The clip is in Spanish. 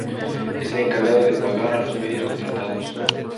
Es el encargado de pagar a los medios contratados.